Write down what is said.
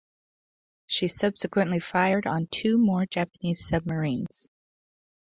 She subsequently fired on two more Japanese submarines.